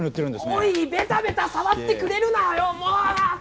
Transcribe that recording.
おいベタベタ触ってくれるなよもう！